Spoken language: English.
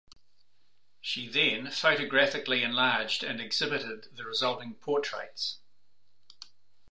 She then photographically enlarged and exhibited the resulting portraits.